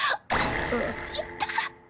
痛っ！